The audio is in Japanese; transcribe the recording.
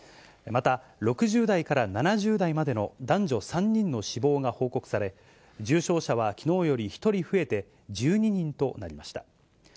また、６０代から７０代までの男女３人の死亡が報告され、重症者はきのうより１人増えて１２人となりました。